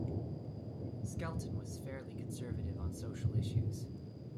Skelton was fairly conservative on social issues.